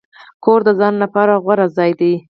کور د ځان لپاره غوره ځای دی.